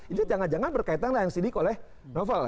itu jangan jangan berkaitan dengan yang sidik oleh novel